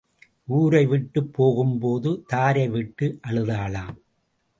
ஊரை விட்டுப் போகும்போது தாரை விட்டு அழுதாளாம்.